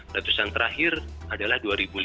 letusan terakhir adalah dua ribu lima belas